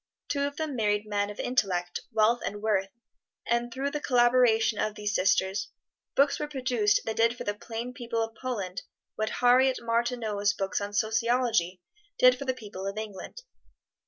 Two of them married men of intellect, wealth and worth, and through the collaboration of these sisters, books were produced that did for the plain people of Poland what Harriet Martineau's books on sociology did for the people of England.